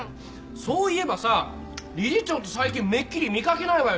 そういえばさ理事長って最近めっきり見かけないわよね？